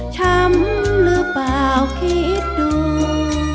ช้ำหรือเปล่าคิดดู